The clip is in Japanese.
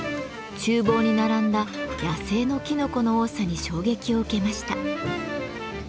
厨房に並んだ野生のきのこの多さに衝撃を受けました。